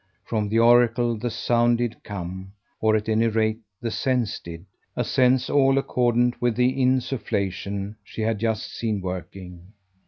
From the oracle the sound did come or at any rate the sense did, a sense all accordant with the insufflation she had just seen working.